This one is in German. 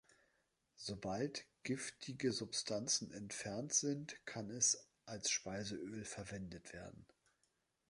Sobald giftige Substanzen entfernt sind, kann es als Speiseöl verwendet werden.